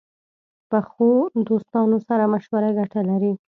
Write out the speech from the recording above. پخو دوستانو سره مشوره ګټه لري